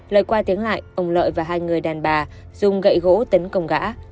lời qua tiếng lại ông lợi và hai người đàn bà dùng gậy gỗ tấn công gã